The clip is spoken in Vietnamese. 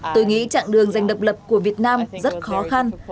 tôi nghĩ chặng đường dành độc lập của việt nam rất khó khăn